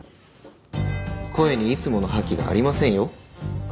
声にいつもの覇気がありませんよ。